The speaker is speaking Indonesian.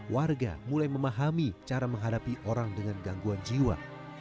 warga mulai memahami cara menghadapi orang dengan gangguan jiwa